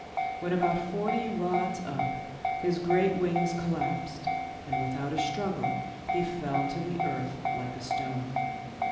When about forty rods up his great wings collapsed and without a struggle he fell to earth like a stone.